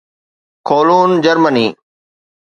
Cologne, Germany